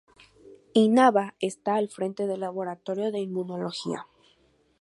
Inaba está al frente del laboratorio de Inmunología.